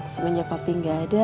semenjak papi gak ada